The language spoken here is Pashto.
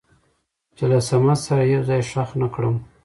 چې له صمد سره يې يو ځاى خښ نه کړم.